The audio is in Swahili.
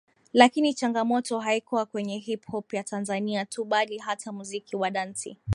Lakini changamoto haikuwa kwenye HipHop ya Tanzania tu bali hata muziki wa dansi